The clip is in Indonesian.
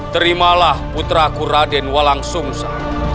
terimalah putraku raden walang sumsa